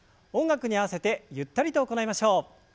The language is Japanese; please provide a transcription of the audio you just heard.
音楽に合わせてゆったりと行いましょう。